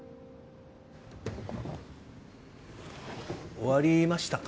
終わりましたか？